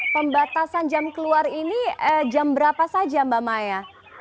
pembatasan jam keluar ini jam berapa saja mbak maya